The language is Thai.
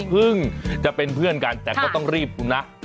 เพิ่งจะเป็นเพื่อนกันแต่ก็ต้องรีบนะ